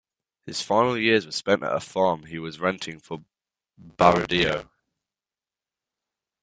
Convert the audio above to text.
His final years were spent at a farm he was renting in Baradero.